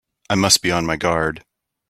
I must be on my guard!